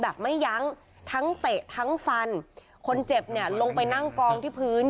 แบบไม่ยั้งทั้งเตะทั้งฟันคนเจ็บเนี่ยลงไปนั่งกองที่พื้น